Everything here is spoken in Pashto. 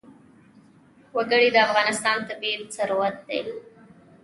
وګړي د افغانستان طبعي ثروت دی.